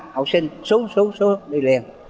học sinh xuống xuống xuống đi liền